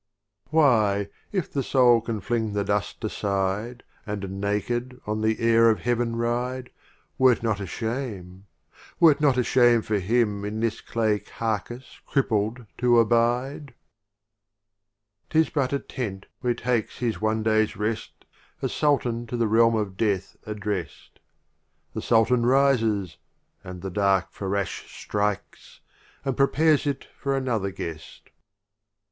XLIV. Why, if the Soul can fling the Dust aside, And naked on the Air of Heaven ride, Were't not a Shame — were't not a Shame for him In this clay carcase crippled to abide ? 17 XLV. Ruba'iyat 'Tis but a Tent where takes his of Omar i , Khayyam ° ne d *Y S reSt A Sultan to the realm of Death addrest ; The Sultan rises, and the dark Ferrash Strikes, and prepares it for another Guest.